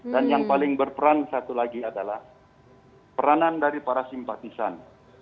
dan yang paling berperan satu lagi adalah peranan dari para simpatisan